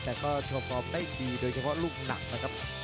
แต่ก็โชว์ฟอร์มได้ดีโดยเฉพาะลูกหนักนะครับ